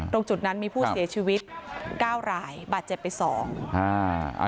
ตรงจุดนั้นมีผู้เสียชีวิต๙รายบาทเจ็บไป๒